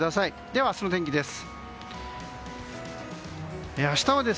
では、明日の天気です。